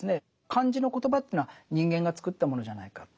漢字の言葉というのは人間がつくったものじゃないかって。